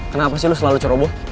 kenapa sih lo selalu ceroboh